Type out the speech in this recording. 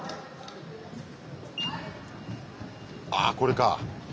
ああこれか！